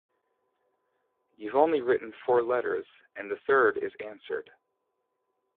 You’ve only written four letters, and the third is answered.